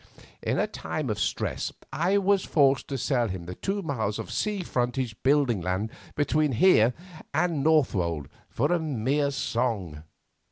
In a time of stress I was forced to sell him the two miles of sea frontage building land between here and Northwold for a mere song.